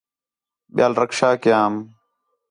ٻِیال رکشہ کیام